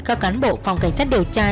các cán bộ phòng cảnh sát điều tra